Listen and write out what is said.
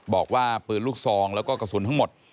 บอกว่าปืนลูกซองแล้วก็กระสุนทั้งหมด